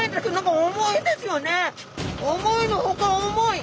思いのほか重い！